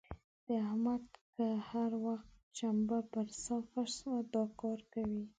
د احمد که هر وخت چمبه پر صافه سوه؛ دا کار کوي.